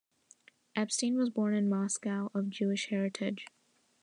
Epstein was born in Moscow of Jewish heritage.